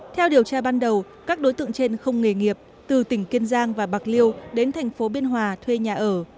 theo điều tra ban đầu các đối tượng trên không nghề nghiệp từ tỉnh kiên giang và bạc liêu đến thành phố biên hòa thuê nhà ở